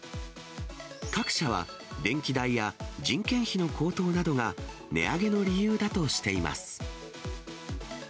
各社は、電気代や人件費の高騰などが値上げの理由だとしています。